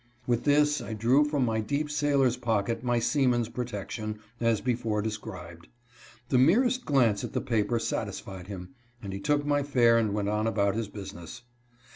With this I drew from my deep sailor's pocket my seaman's protection, as before described. The merest glance at the paper satisfied him, and he took my fare and went on about his business.